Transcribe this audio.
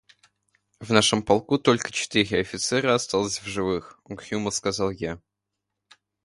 — В нашем полку только четыре офицера осталось в живых, — угрюмо сказал я.